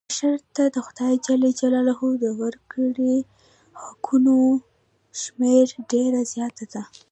بشر ته د خدای ج د ورکړي حقونو شمېره ډېره زیاته ده.